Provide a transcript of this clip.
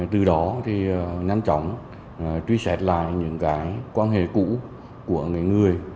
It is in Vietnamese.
từ đó thì nhanh chóng truy xét lại những cái quan hệ cũ của người